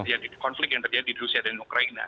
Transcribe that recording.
terjadi konflik yang terjadi di rusia dan ukraina